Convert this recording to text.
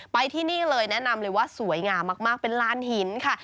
ไปที่นี่เลยแนะนำเลยว่าสวยงามมากเป็นลานหินค่ะ